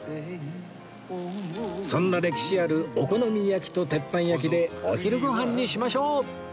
そんな歴史あるお好み焼きと鉄板焼きでお昼ご飯にしましょう！